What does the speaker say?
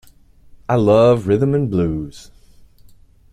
I love rhythm and blues!